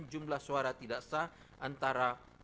jumlah suara tidak sah antara